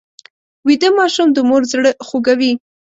ویده ماشوم د مور زړه خوږوي